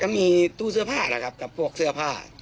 ก็มีตู้เสื้อผ้ากับผู้เจอผ้า